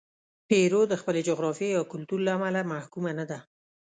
پیرو د خپلې جغرافیې یا کلتور له امله محکومه نه ده.